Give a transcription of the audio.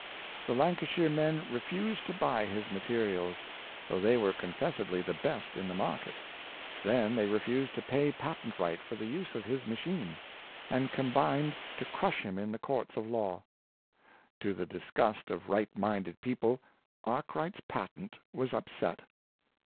The Lancashire men refused to buy his materi als, though they were confessedly the best in the mar ket. Then they refused to pay patentright for the use Ricliai'd Arhwright^ Mamifacturer, 213 of his machine, and combined to crush him in the courts of law. To the disgust of right minded people^ Arkwright's patent was upset.